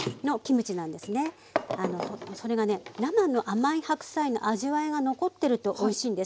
それがね生の甘い白菜の味わいが残ってるとおいしいんです。